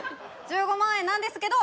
１５万円なんですけど。